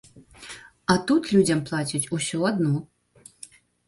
А тут людзям плацяць усё адно.